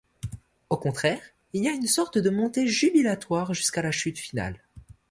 Au contraire, il y a une sorte de montée jubilatoire, jusqu'à la chute finale.